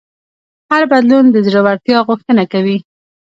هر بدلون د زړهورتیا غوښتنه کوي.